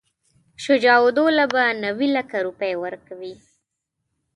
شجاع الدوله به نیوي لکه روپۍ ورکوي.